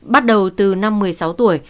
bắt đầu từ năm một mươi sáu tuổi